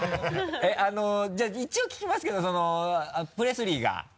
えっ？じゃあ一応聞きますけどプレスリーが？